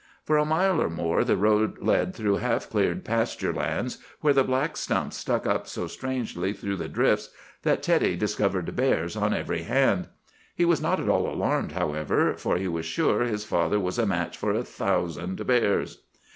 For a mile or more the road led through half cleared pasture lands, where the black stumps stuck up so strangely through the drifts that Teddy discovered bears on every hand. He was not at all alarmed, however, for he was sure his father was a match for a thousand bears.